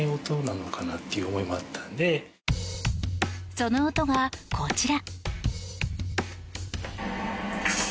その音がこちら。